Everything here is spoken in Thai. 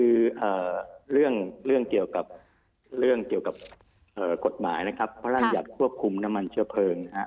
หรือเรื่องเกี่ยวกับกฎหมายพระราชยัตริย์ควบคุมน้ำมันเชื้อเพลิง